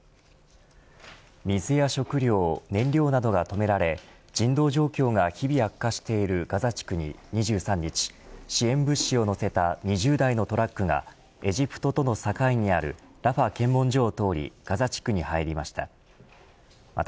水や食料、燃料などが止められ人道状況が日々悪化しているガザ地区に２３日、支援物資を載せた２０台のトラックがエジプトとの境にあるラファ検問所を通りガザ地区に入りました。